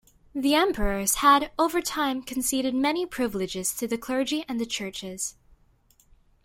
The emperors had, over time, conceded many privileges to the clergy and the churches.